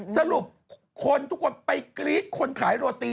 สรุปคนไปกรี๊ดคนขายโรตี